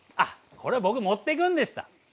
これ僕持っていくんでした。